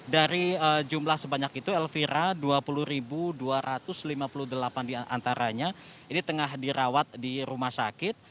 dari jumlah sebanyak itu elvira dua puluh dua ratus lima puluh delapan diantaranya ini tengah dirawat di rumah sakit